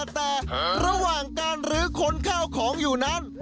แต่ระหว่างการรื้อค้นข้าวของอยู่นั้น